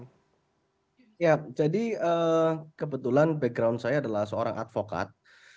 mas abraham jadi kebetulan background saya adalah seorang advokat